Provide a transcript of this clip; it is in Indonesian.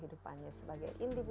mendapatkan penipu membuat saya bingung